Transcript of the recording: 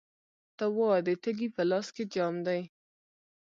ته وا، د تږي په لاس کې جام دی